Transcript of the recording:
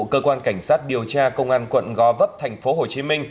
cơ quan cảnh sát điều tra công an quận gò vấp tp hcm